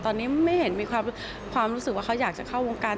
ตอนนี้ไม่เห็นมีความรู้สึกว่าเขาอยากจะเข้าวงการ